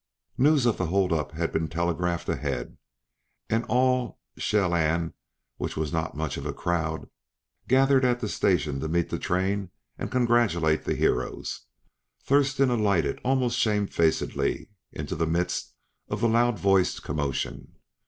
News of the holdup had been telegraphed ahead, and all Shellanne which was not much of a crowd gathered at the station to meet the train and congratulate the heroes. Thurston alighted almost shamefacedly into the midst of the loud voiced commotion.